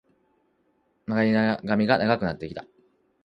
前髪が長くなってきた